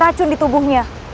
dari racun di tubuhnya